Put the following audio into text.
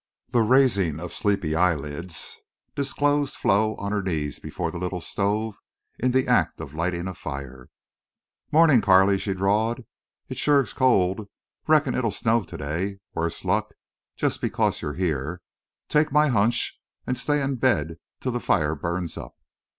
The raising of sleepy eyelids disclosed Flo on her knees before the little stove, in the act of lighting a fire. "Mawnin', Carley," she drawled. "It's shore cold. Reckon it'll snow today, worse luck, just because you're here. Take my hunch and stay in bed till the fire burns up."